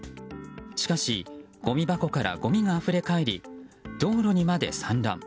しかし、ごみ箱からごみがあふれかえり道路にまで散乱。